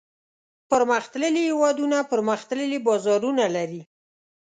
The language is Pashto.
پرمختللي هېوادونه پرمختللي بازارونه لري.